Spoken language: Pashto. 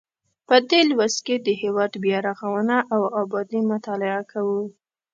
په دې لوست کې د هیواد بیا رغونه او ابادي مطالعه کوو.